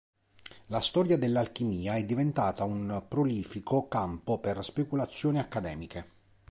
La storia dell'alchimia è diventata un prolifico campo per speculazioni accademiche.